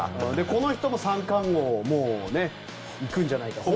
この人も３冠王行くんじゃないかと。